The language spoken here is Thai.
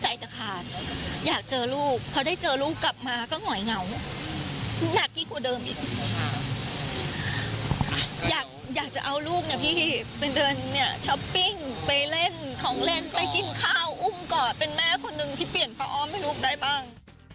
พี่เป็นเดินนี่ช้าปปิ้งไปเล่นของเล่นไปกินข้าวอุ้มกอดเป็นแม่คนหนึ่งที่เปลี่ยนพระองค์ให้ลูกได้ป้าง